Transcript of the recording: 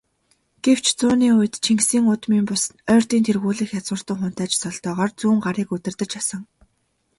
Гэвч, зууны үед Чингисийн удмын бус, Ойрдын тэргүүлэх язгууртан хунтайж цолтойгоор Зүүнгарыг удирдаж асан.